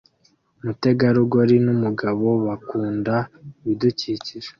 Umutegarugori numugabo bakunda ibidukikije